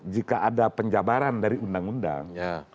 jika ada penjabaran dari undang undang